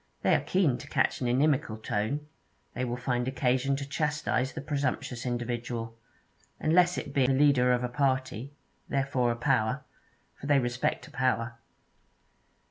They are keen to catch an inimical tone; they will find occasion to chastise the presumptuous individual, unless it be the leader of a party, therefore a power; for they respect a power.